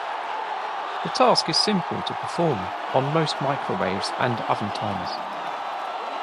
The task is simple to perform on most microwaves and oven timers.